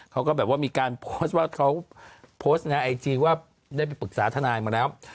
เขาก็แบบว่ามีการโพสต์ว่าเขาโพสต์ในไอจีว่าได้ไปปรึกษาทนายมาแล้ว